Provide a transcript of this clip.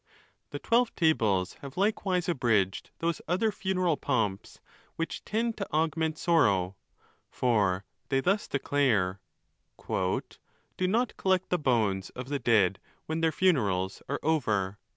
The Twelve Tables have likewise abridged those other funeral pomps which tend to augment sorrow. For they thus declare,—" Do not collect the bones of the dead, when their funerals are over."